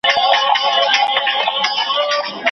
شمع هر څه ویني راز په زړه لري